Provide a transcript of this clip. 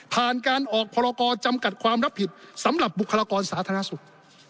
ผ่านการออกพรกรจำกัดความรับผิดสำหรับบุคลากรสาธารณสุข